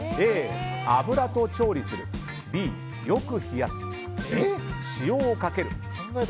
Ａ、油と調理するＢ、よく冷やすＣ、塩をかける。